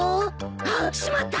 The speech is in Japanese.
あっしまった！